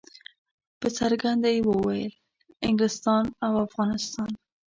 په څرګنده یې ویل چې انګلستان او افغانستان.